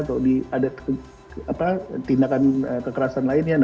atau ada tindakan kekerasan lainnya